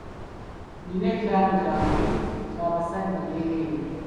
Nina ekyalo kyange kya basajja bereere.